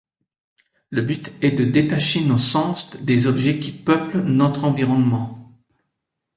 Le but est de détacher nos sens des objets qui peuplent notre environnement.